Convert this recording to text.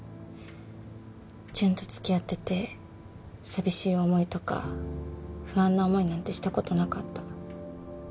ジュンと付き合ってて寂しい思いとか不安な思いなんてしたことなかった。